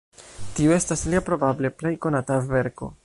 Tiu estas lia probable plej konata verko.